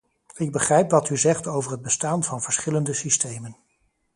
Ik begrijp wat u zegt over het bestaan van verschillende systemen.